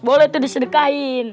boleh tuh disedekahin